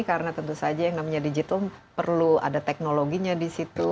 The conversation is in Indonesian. karena tentu saja yang namanya digital perlu ada teknologinya di situ